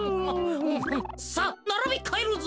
さあならびかえるぞ。